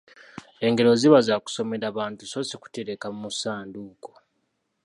Engero ziba za kusomera bantu so si kutereka mu ssanduuko.